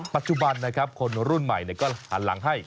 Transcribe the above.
ปัจจุบันนะครับคนรุ่นใหม่ก็หันหลังให้